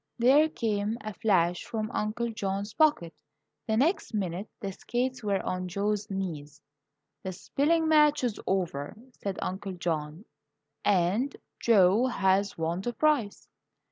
There came a flash from Uncle John's pocket; the next minute the skates were on Joe's knees. "The spelling match is over," said Uncle John, "and Joe has won the prize."